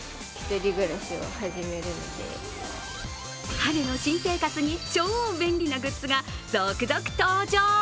春の新生活に超便利なグッズが続々登場。